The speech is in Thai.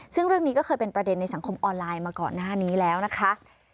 ซึ่งเรื่องนี้ก็เคยเป็นประเด็นในสังคมออนไลน์มาก่อนหน้านี้แล้วนะคะ